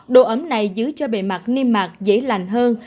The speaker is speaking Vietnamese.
đồ ấm này giữ cho bề mặt niêm mặt dễ lành hơn